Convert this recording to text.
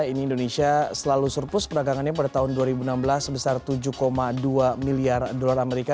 ini indonesia selalu surplus perdagangannya pada tahun dua ribu enam belas sebesar tujuh dua miliar dolar amerika